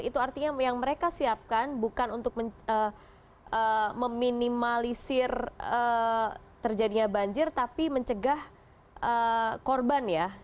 itu artinya yang mereka siapkan bukan untuk meminimalisir terjadinya banjir tapi mencegah korban ya